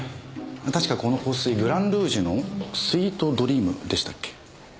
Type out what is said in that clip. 確かこの香水グランルージュのスイートドリームでしたっけ？